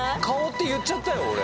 顔って言っちゃったよ